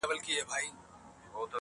کهيېتخمونهدګناهدلتهکرليبيانو,